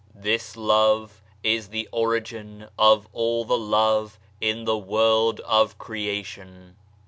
This love is the origin of all the love in the world of creation.